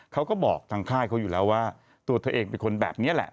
เขาก็บอกทางค่ายเขาอยู่แล้วว่าตัวเธอเองเป็นคนแบบนี้แหละ